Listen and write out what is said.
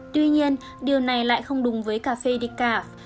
tuy nhiên điều này lại không đúng với cà phê decaf